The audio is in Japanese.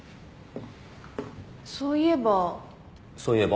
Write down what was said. そういえば。